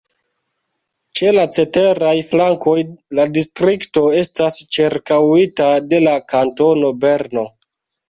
Ĉe la ceteraj flankoj la distrikto estas ĉirkaŭita de la Kantono Berno.